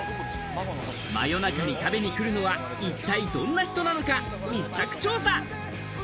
真夜中に食べに来るのは一体どんな人なのか、密着調査。